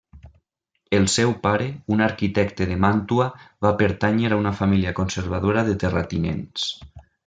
El seu pare, un arquitecte de Màntua, va pertànyer a una família conservadora de terratinents.